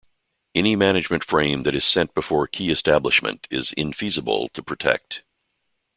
Any management frame that is sent before key establishment is infeasible to protect.